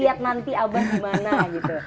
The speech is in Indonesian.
lihat nanti abah gimana gitu